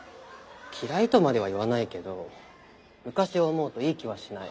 嫌いとまでは言わないけど昔を思うといい気はしない。